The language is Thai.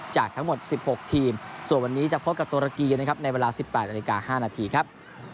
จากทั้งหมด๑๖ทีมส่วนวันนี้จะพบกับตุรกีนะครับในเวลา๑๘นาฬิกา๕นาทีครับ